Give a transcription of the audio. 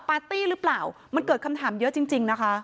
ปาร์ตี้หรือเปล่ามันเกิดคำถามเยอะจริงจริงนะคะ